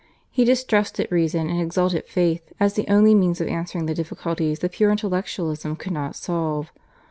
He distrusted reason and exalted faith, as the only means of answering the difficulties that pure intellectualism could not solve.